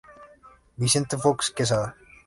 Vicente Fox Quezada.